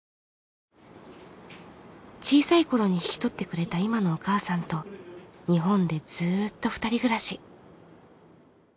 小さい頃に引き取ってくれた今のお母さんと日本でずっと２人暮らし。